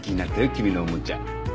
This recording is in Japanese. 君のおもちゃ。